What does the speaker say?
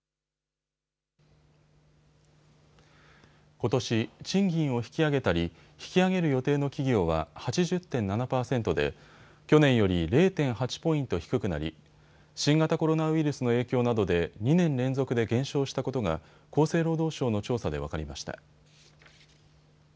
ことし賃金を引き上げたり引き上げる予定の企業は８０．７％で去年より０．８ポイント低くなり新型コロナウイルスの影響などで２年連続で減少したことが厚生労働省の調査で分かりました。